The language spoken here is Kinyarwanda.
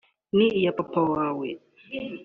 ni iya papa wawe